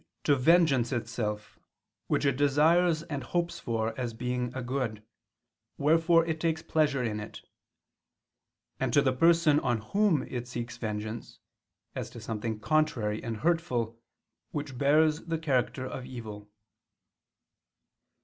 to vengeance itself, which it desires and hopes for as being a good, wherefore it takes pleasure in it; and to the person on whom it seeks vengeance, as to something contrary and hurtful, which bears the character of evil.